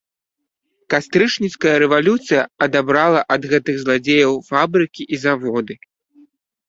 Кастрычніцкая рэвалюцыя адабрала ад гэтых зладзеяў фабрыкі і заводы.